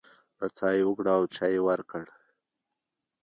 نڅا يې وکړه او چای يې ورکړ.